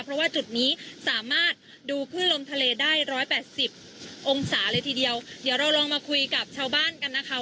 เพราะว่าจุดนี้สามารถดูคลื่นลมทะเลได้ร้อยแปดสิบองศาเลยทีเดียวเดี๋ยวเราลองมาคุยกับชาวบ้านกันนะคะ